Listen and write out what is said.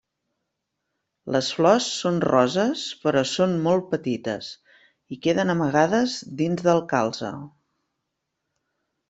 Les flors són roses però són molt petites i queden amagades dins del calze.